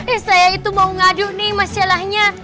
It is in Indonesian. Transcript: eh saya itu mau ngadu nih masalahnya